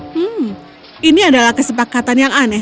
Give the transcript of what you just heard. hmm ini adalah kesepakatan yang aneh